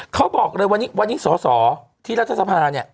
เขาบอกเลยวันนี้สอสอที่รัฐสภาเนี่ย